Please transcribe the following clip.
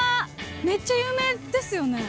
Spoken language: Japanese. めっちゃ有名ですよね？